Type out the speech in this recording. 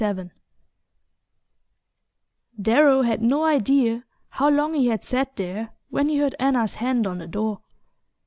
XXVII Darrow had no idea how long he had sat there when he heard Anna's hand on the door.